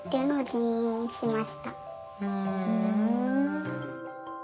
ふん。